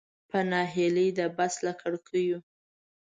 په نهیلۍ د بس له کړکیو.